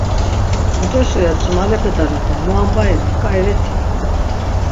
Muç̆oşi ret cumalepe dalepe, mu ambai ren, k̆ai reti?